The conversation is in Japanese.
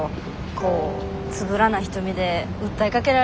こうつぶらな瞳で訴えかけられるとさ。